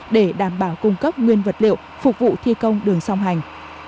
để đảm bảo cung cấp nguyên vật liệu phục vụ thi công đường song hành